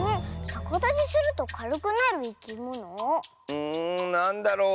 うんなんだろう？